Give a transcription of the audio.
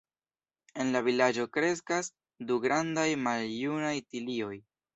En la vilaĝo kreskas du grandaj maljunaj tilioj.